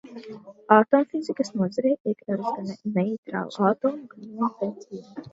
Atomfizikas nozarē iekļaujas gan neitrālu atomu, gan jonu pētījumi.